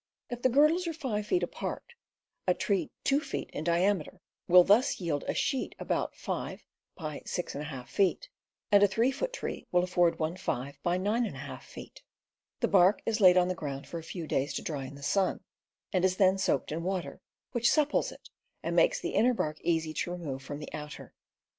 If the girdles are 5 feet apart, a tree 2 feet in diameter will thus yield a sheet about 5x6^ feet, and a 3 foot Fig. 16. tree will afford one 5x9^ feet. The bark is laid on the ground for a few days to dry in the sun, and is then soaked in water, which supples it and makes the inner bark easy to remove from the outer.